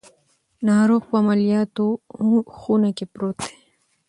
ناروغ په عملیاتو خونه کې پروت دی.